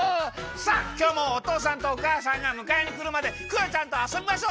さっきょうもおとうさんとおかあさんがむかえにくるまでクヨちゃんとあそびましょ！